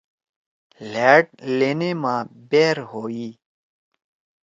لھأڑ لینے ما بأر ہوئی۔